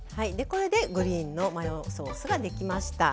これでグリーンのマヨソースが出来ました。